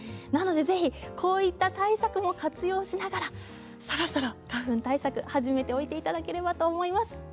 なのでぜひ、こういった対策も活用しながらそろそろ花粉対策、始めておいていただければと思います。